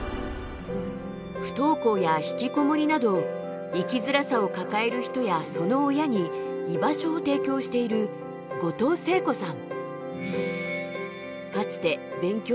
不登校やひきこもりなど生きづらさを抱える人やその親に居場所を提供している後藤誠子さん。